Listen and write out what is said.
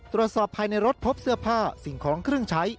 ตรวจสอบภายในรถพบเสื้อผ้าสิ่งของเครื่องใช้